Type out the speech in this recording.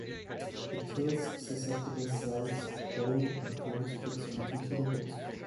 It kills susceptible cells growing in close proximity to the host.